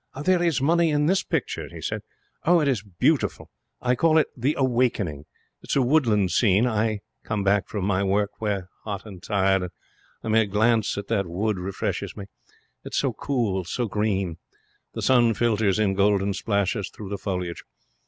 'There is money in this picture,' he said. 'Oh, it is beautiful. I call it "The Awakening". It is a woodland scene. I come back from my work here, hot and tired, and a mere glance at that wood refreshes me. It is so cool, so green. The sun filters in golden splashes through the foliage.